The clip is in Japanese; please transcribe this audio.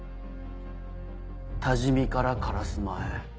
多治見から烏丸へ。